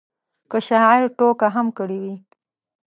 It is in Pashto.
که شاعر ټوکه هم کړې وي.